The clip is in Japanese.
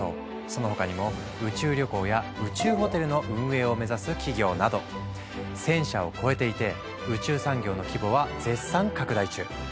その他にも宇宙旅行や宇宙ホテルの運営を目指す企業など１，０００社を超えていて宇宙産業の規模は絶賛拡大中。